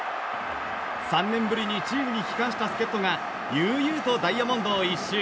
３年ぶりにチームに帰還した助っ人が悠々とダイヤモンドを１周。